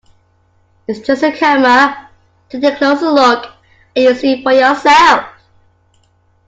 It's just a camera, take a closer look and you'll see for yourself.